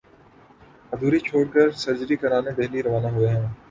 ادھوری چھوڑ کر سرجری کرانے دہلی روانہ ہوئے ہیں